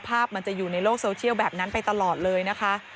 ภาพมันจะอยู่ในโลกโซเชียลแบบนั้นไปตลอดเลยนะคะ